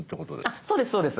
あっそうですそうです。